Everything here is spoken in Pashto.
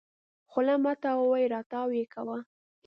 خوله مه تاوې راو تاوې کوه.